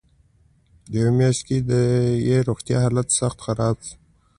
په یوه میاشت کې یې روغتیایي حالت سخت خراب شو.